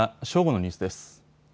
正午のニュースです。